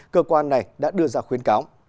cơ quan này đã đưa ra khuyến cáo